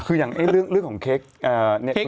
คืออย่างเรื่องของเค้ก